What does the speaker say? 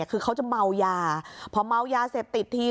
คือเขาจะเมายาพอเมายาเสพติดที